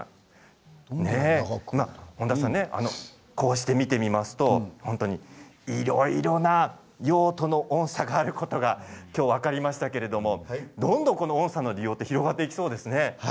本田さん、こうして見ますと本当にいろいろな用途の音さがあることが今日分かりましたけれどもどんどん、この音さの利用が広がっていきそうですね。